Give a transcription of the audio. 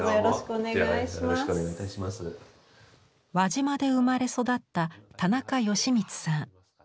輪島で生まれ育った田中義光さん。